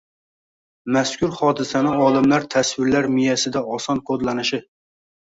Mazkur hodisani olimlar tasvirlar miyada oson kodlanishi